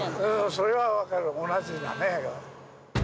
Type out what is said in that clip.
それは分かる、同じだね。